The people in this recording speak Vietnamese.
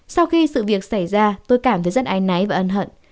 sau khi sự việc xảy ra tôi cảm thấy rất ái nái và ân hận